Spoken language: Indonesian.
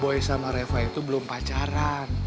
bu dona boy sama reva itu belum pacaran